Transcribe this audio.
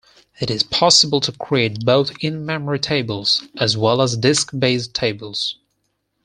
It is possible to create both in-memory tables, as well as disk-based tables.